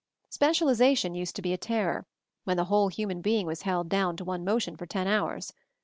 Specialization used to be a terror, when a whole human being was held down to one inotion for ten hours.